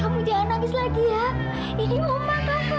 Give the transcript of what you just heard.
kamu jangan nangis lagi ya ini oma kava